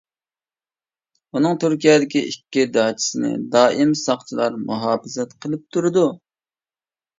ئۇنىڭ تۈركىيەدىكى ئىككى داچىسىنى دائىم ساقچىلار مۇھاپىزەت قىلىپ تۇرىدۇ.